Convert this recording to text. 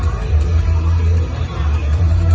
มันเป็นเมื่อไหร่แล้ว